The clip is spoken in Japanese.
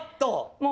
もう。